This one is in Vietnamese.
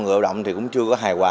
người lao động cũng chưa có hài hòa